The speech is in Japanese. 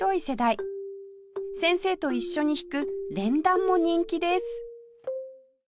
先生と一緒に弾く連弾も人気です